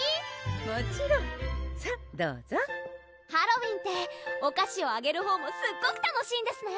もちろんさぁどうぞハロウィーンってお菓子をあげるほうもすっごく楽しいんですね！